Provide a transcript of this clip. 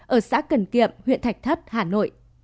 ở xã cần kiệm huyện thạch thất hà nội